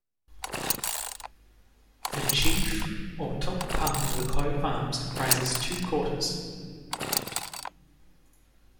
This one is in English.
The chief or top part of the coat of arms comprises two quarters.